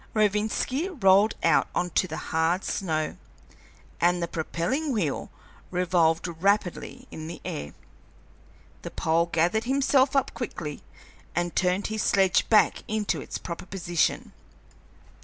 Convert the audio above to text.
Rovinski rolled out on the hard snow, and the propelling wheel revolved rapidly in the air. The Pole gathered himself up quickly and turned his sledge back into its proper position.